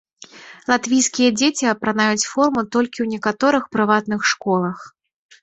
Латвійскія дзеці апранаюць форму толькі ў некаторых прыватных школах.